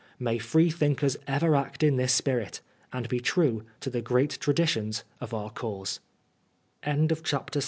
May Freethinkers ever act in this spirit, and be true to the great traditions of our cause I F 1 N I B.